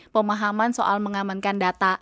pemahaman soal mengamankan data